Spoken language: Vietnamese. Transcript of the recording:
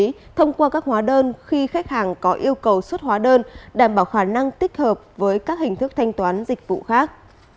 tại các trạm thu phí thông qua các hóa đơn khi khách hàng có yêu cầu xuất hóa đơn đảm bảo khả năng tích hợp với các hình thức thanh toán dịch vụ khác